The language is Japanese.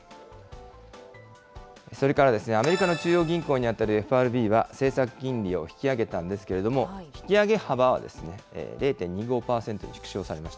それから、アメリカの中央銀行に当たるＦＲＢは政策金利を引き上げたんですけれども、引き上げ幅は０．２５％に縮小されました。